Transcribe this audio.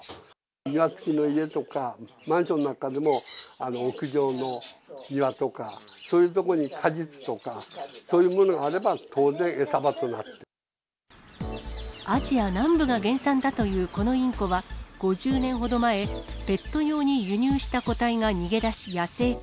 庭付きの家とか、マンションなんかでも、屋上の庭とか、そういう所に果実とか、そういうものがあれば、当然、餌場となっアジア南部が原産だというこのインコは、５０年ほど前、ペット用に輸入した個体が逃げ出し野生化。